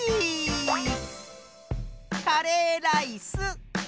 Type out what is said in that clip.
カレーライス！